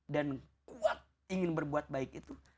dan kuat ingin berbuat baik itu